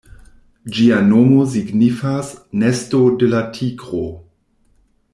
Ĝia nomo signifas "Nesto de la Tigro".